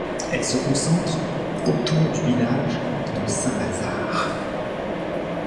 Elle se concentre autour du village de Saint-Lazare.